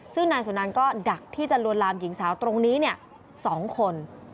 ซึ่งนายสุนันก็ดักที่จะลวนลามหญิงสาวตรงนี้๒คน